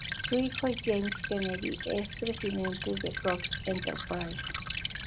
Su hijo James Kennedy es presidente de Cox Enterprises.